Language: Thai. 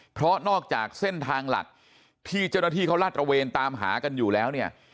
เพราะนอกจากเส้นทางหลักที่เจ้าหน้าที่เขาลาดตระเวนตามหากันอยู่แล้วเนี่ย